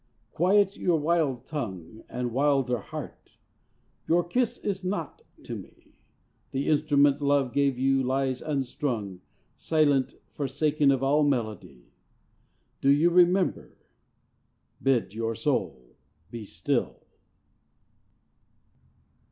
Quiet your wild tongue And wilder heart. Your kiss is naught to me. The instrument love gave you lies unstrung, Silent, forsaken of all melody. Do you remember? Bid your soul be still.